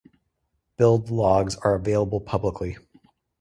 Build logs are available publicly